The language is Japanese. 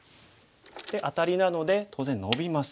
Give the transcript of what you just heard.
でアタリなので当然ノビます。